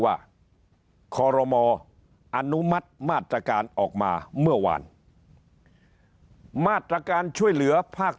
ว่าคอรมออนุมัติมาตรการออกมาเมื่อวานมาตรการช่วยเหลือภาค